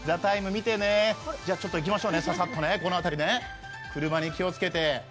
見てね、行きましょうね、ささっとねこの辺り、車に気をつけて。